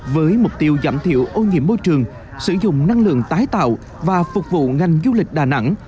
với mục tiêu giảm thiểu ô nhiễm môi trường sử dụng năng lượng tái tạo và phục vụ ngành du lịch đà nẵng